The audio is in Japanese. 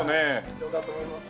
貴重だと思います。